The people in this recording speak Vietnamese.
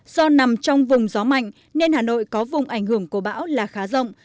do nằm trong vùng gió mạnh nên hà nội có vùng ảnh hưởng của bão là khá rộng